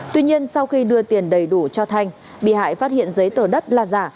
tuy nhiên sau khi đưa tiền đầy đủ cho thanh bị hại phát hiện giấy tờ đất là giả